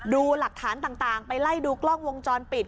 ดูหลักฐานต่างไปไล่ดูกล้องวงจรปิด